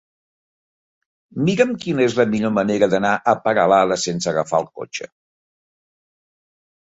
Mira'm quina és la millor manera d'anar a Peralada sense agafar el cotxe.